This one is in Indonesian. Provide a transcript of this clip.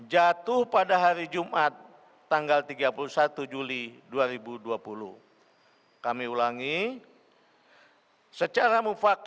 jatuh pada hari jumat tanggal tiga puluh satu juli dua ribu dua puluh masehi